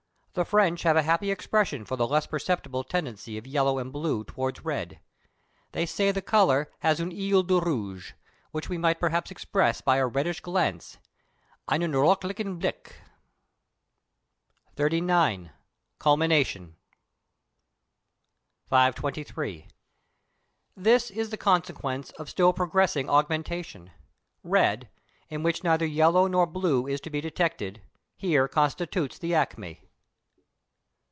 The French have a happy expression for the less perceptible tendency of yellow and blue towards red: they say the colour has "un œil de rouge," which we might perhaps express by a reddish glance (einen röthlichen blick). Steigerung, literally gradual ascent. See the note to par. 523. XXXIX. CULMINATION 523. This is the consequence of still progressing augmentation. Red, in which neither yellow nor blue is to be detected, here constitutes the acme.